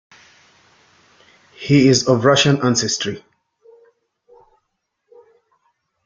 He is of Russian ancestry.